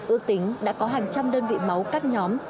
ước tính đã có hàng trăm đơn vị máu các nhóm